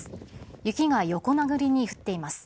雪が横殴りに降っています。